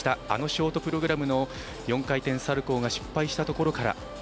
あのショートプログラムの４回転サルコーが失敗したところから。